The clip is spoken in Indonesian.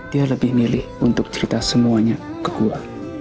dia lebih milih untuk cerita semuanya ke gua